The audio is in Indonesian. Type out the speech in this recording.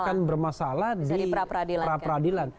bukan bermasalah di pra pradilan